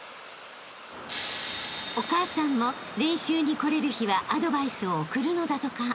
［お母さんも練習に来れる日はアドバイスを送るのだとか］